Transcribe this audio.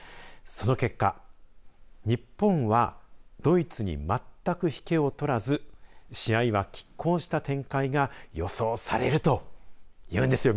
その結果、日本はドイツに全く引けを取らず試合はきっ抗した展開が予想されるというんですよ